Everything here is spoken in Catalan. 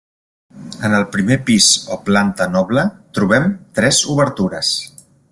En el primer pis o planta noble trobem tres obertures.